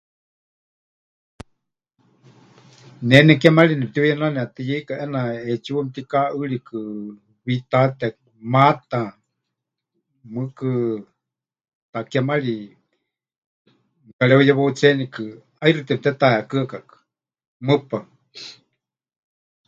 Ne nekémari nepɨtiuyenanetɨyeika ʼeena ʼetsiwa mɨtikaʼɨɨrikɨ, witáte, maata, mɨɨkɨ takémari mɨkareuyewautsenikɨ, ʼaixɨ temɨtetaheekɨ́akakɨ, mɨpaɨ.